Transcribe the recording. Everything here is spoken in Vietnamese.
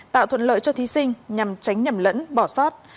tạo thuận lợi cho thí sinh nhằm tránh nhầm lẫn bỏ sót